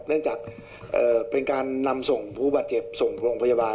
เนื่องจากเป็นการนำส่งผู้บาดเจ็บส่งโรงพยาบาล